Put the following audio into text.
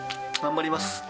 頑張ります。